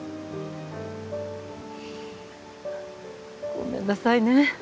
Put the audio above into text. ごめんなさいね。